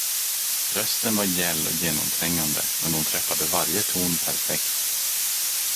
Rösten var gäll och genomträngande, men hon träffade varje ton perfekt.